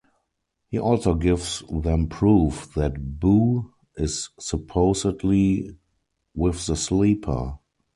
He also gives them proof that Boo is supposedly with the Sleeper.